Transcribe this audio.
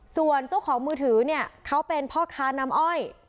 ส่วนเจ้าของมือถือเนี่ยเขาเป็นพ่อค้าน้ำอ้อย